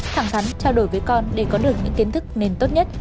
thẳng thắn trao đổi với con để có được những kiến thức nền tốt nhất